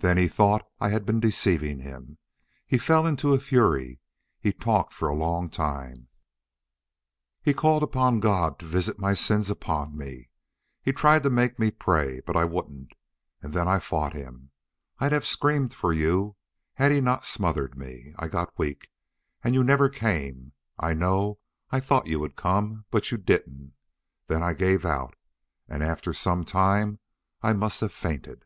"Then he thought I had been deceiving him. He fell into a fury. He talked for a long time. He called upon God to visit my sins upon me. He tried to make me pray. But I wouldn't. And then I fought him. I'd have screamed for you had he not smothered me. I got weak.... And you never came. I know I thought you would come. But you didn't. Then I I gave out. And after some time I must have fainted."